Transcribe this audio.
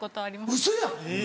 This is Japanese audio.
ウソやん！